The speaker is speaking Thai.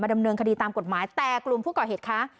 ดำเนินคดีตามกฎหมายแต่กลุ่มผู้ก่อเหตุค้า